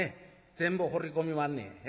全部放り込みまんねん。